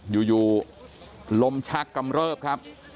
อยู่ลมชักกำเริบครับ